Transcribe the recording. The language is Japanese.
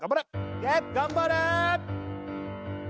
頑張れ！